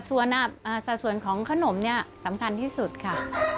ส่วนสัดส่วนของขนมเนี่ยสำคัญที่สุดค่ะ